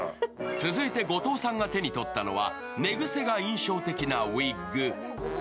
続いて後藤さんが手にとったのは寝癖が印象的なウィッグ。